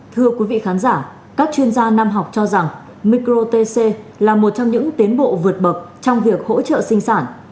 thưa quý vị khán giả các chuyên gia năm học cho rằng micro tc là một trong những tiến bộ vượt bậc trong việc hỗ trợ sinh sản